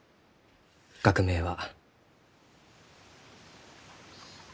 学名は。